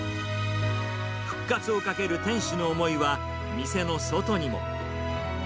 復活をかける店主の思いは、店の外にも。